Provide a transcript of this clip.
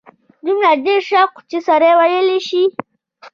دومره ډېر شوي چې سړی ویلای شي.